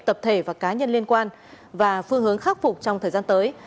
tập thể và cá nhân liên quan và phương hướng khắc phục trong thời gian tới